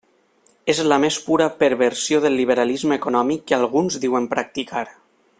És la més pura perversió del liberalisme econòmic que alguns diuen practicar.